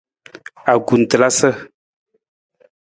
Akutelasa.